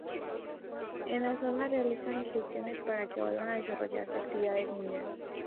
En la zona realizan gestiones para que vuelvan a desarrollarse actividades mineras.